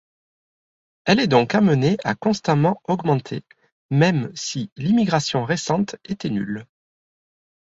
Elle est donc amenée à constamment augmenter, même si l'immigration récente était nulle.